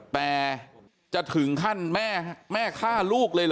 แต่จะถึงขั้นแม่ฆ่าลูกเลยเหรอ